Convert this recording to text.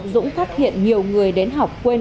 dũng phát hiện nhiều người đến học quên